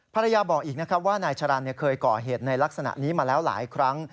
ภรรยาบอกอีกนะครับว่านายชะรันเคยก่อเหตุในลักษณะนี้มาแล้วหลายครั้ง